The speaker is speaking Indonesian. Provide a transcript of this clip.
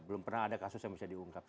belum pernah ada kasus yang bisa diungkap